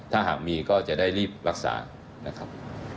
ถ้าหากมีก็จะได้รีบรักษานะครับ